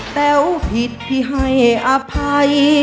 แต๋วผิดที่ให้อภัย